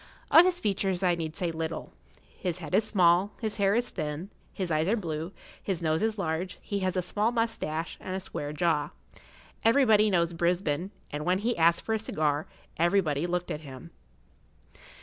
Of his features I need say little. His head is small, his hair is thin, his eyes are blue, his nose is large, he has a small moustache, and a square jaw. Everybody knows Brisbane, and when he asked for a cigar everybody looked at him.